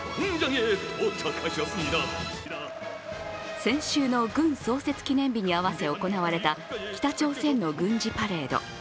先週の軍創設記念日に合わせ行われた北朝鮮の軍事パレード。